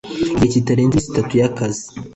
Igihe kitarenze iminsi itatu y’akazi